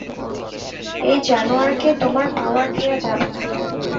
এই জানোয়ারকে তোমার পাওয়ার দেয়া যাবে না।